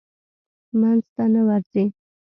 منځ ته نه ورځي.